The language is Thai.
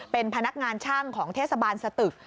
เป็นพนักงานช่างของเทศบาลสตึก